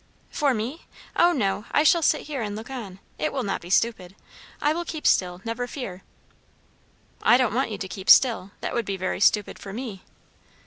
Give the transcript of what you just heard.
"For me? O no. I shall sit here and look on. It will not be stupid. I will keep still, never fear." "I don't want you to keep still; that would be very stupid for me."